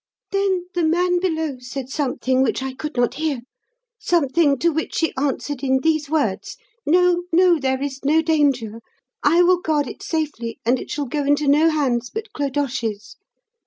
"Then the man below said something which I could not hear something to which she answered in these words: 'No, no; there is no danger. I will guard it safely, and it shall go into no hands but Clodoche's.